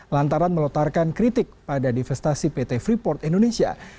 lantaran melontarkan kritik pada divestasi pt freeport indonesia